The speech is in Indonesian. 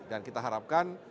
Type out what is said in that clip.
dan kita harapkan